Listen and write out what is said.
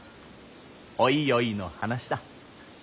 おいおいの話だ。